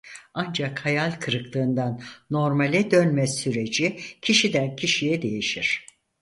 Ancak hayal kırıklığından normale dönme süreci kişiden kişiye değişir.